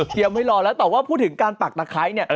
ไม่รอแล้วแต่ว่าพูดถึงการปักตะไคร้เนี่ย